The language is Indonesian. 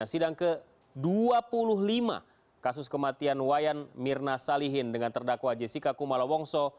sidang ke dua puluh lima kasus kematian wayan mirna salihin dengan terdakwa jessica kumala wongso